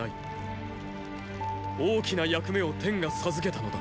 大きな役目を天が授けたのだ。